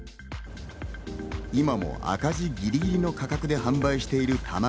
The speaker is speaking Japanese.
今も赤字ぎりぎりの価格で販売している卵。